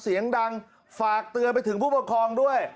เสียงดังฝากเตือนไปถึงผู้ปกครองด้วย